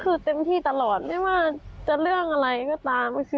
คือเต็มที่ตลอดไม่ว่าจะเรื่องอะไรก็ตาม